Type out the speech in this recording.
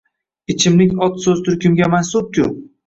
Ichimlik ot soʻz turkumiga mansub-ku